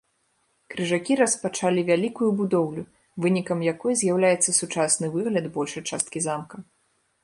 Крыжакі распачалі вялікую будоўлю, вынікам якой з'яўляецца сучасны выгляд большай часткі замка.